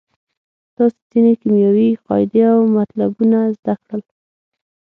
تاسې ځینې کیمیاوي قاعدې او مطلبونه زده کړل.